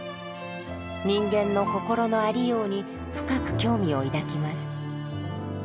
人間の心のありように深く興味を抱きます。